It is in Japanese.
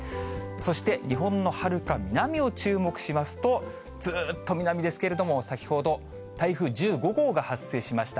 そして日本のはるか南を注目しますと、ずっと南ですけれども、先ほど台風１５号が発生しました。